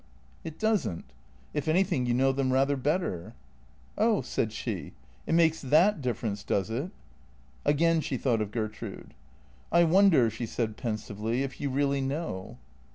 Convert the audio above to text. "It doesn't. If anything, you know them rather better." " Oh," said she, " it makes that difference, does it ?" Again she thought of Gertrude. " I wonder," she said pen sively, " if you really know."